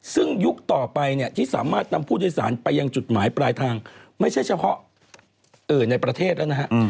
ซึ่งยุคต่อไปเนี่ยที่สามารถนำผู้โดยสารไปยังจุดหมายปลายทางไม่ใช่เฉพาะในประเทศแล้วนะฮะ